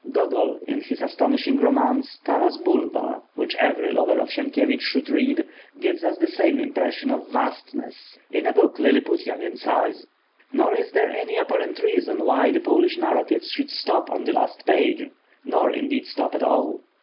Gogol, in his astonishing romance, Taras Bulba, which every lover of Sienkiewicz should read, gives us the same impression of Vastness, in a book Lilliputian in size. Nor is there any apparent reason why the Polish narratives should stop on the last page, nor indeed stop at all.